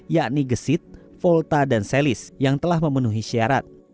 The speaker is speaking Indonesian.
yakni gesit volta dan celis yang telah memenuhi syarat